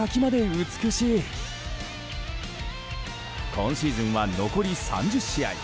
今シーズンは残り３０試合。